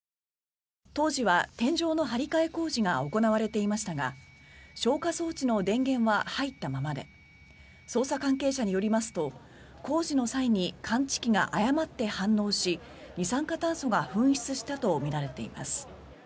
当時は天井の張り替え工事が行われていましたが消火装置の電源は入ったままで捜査関係者によりますと工事の際の感知器が誤って反応し二酸化炭素が噴出したとみられています。